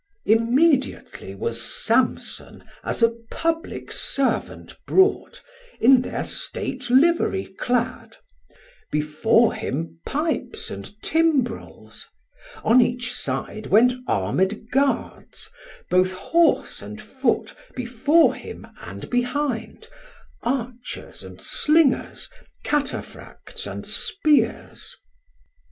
Immediately Was Samson as a public servant brought, In thir state Livery clad; before him Pipes And Timbrels, on each side went armed guards, Both horse and foot before him and behind Archers, and Slingers, Cataphracts and Spears.